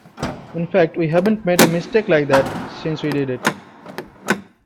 In fact, we haven't made a mistake like that since we did it.